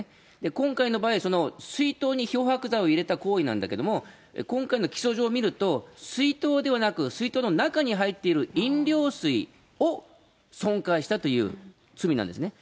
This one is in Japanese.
今回の場合、水筒に漂白剤を入れた行為なんだけれども、今回の起訴状を見ると、水筒ではなく、水筒の中に入っている飲料水を損壊したという罪なんですね。